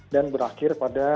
dan berakhir pada